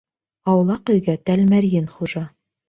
Аулаҡ өйгә тәлмәрйен хужа.